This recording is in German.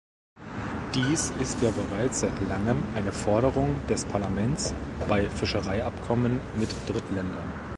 Dies ist ja bereits seit langem eine Forderung des Parlaments bei Fischereiabkommen mit Drittländern.